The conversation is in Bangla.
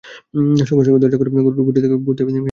সঙ্গে সঙ্গে দরজা খুলে ঘরে ঢুকে বুঝতে পারেন মেয়ে মারা গেছে।